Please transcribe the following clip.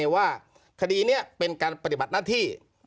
ว่าคดีนี้เป็นการปฏิบัติหน้าที่